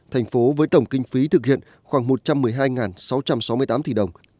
thành phố với tổng kinh phí thực hiện khoảng một trăm một mươi hai sáu trăm sáu mươi tám tỷ đồng